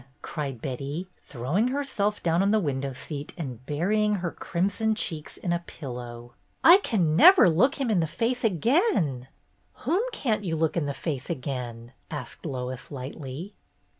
cried Betty, throwing herself down on the window seat and burying her crimson cheeks in a pillow. "I can never look him in the face again 1 " "Whom can't you look in the face again?" asked Lois, lightly.